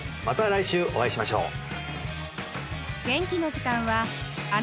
また来週お会いしましょう